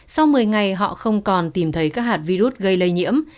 sau một mươi ngày họ không còn tìm thấy các hạt virus gây lây nhiễm